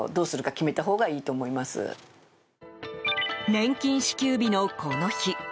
年金支給日のこの日。